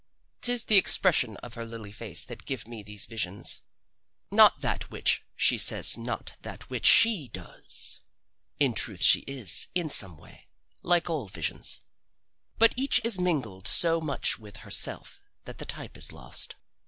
'Tis the expressions of her lily face that give me these visions not that which she says nor that which she does. In truth she is, in some way, like all the visions, but each is mingled so much with herself that the type is lost.